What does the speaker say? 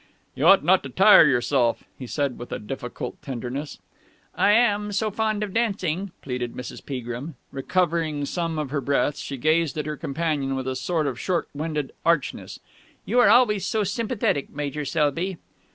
"You ought not to tire yourself," he said with a difficult tenderness. "I am so fond of dancing," pleaded Mrs. Peagrim. Recovering some of her breath, she gazed at her companion with a sort of short winded archness. "You are always so sympathetic, Major Selby."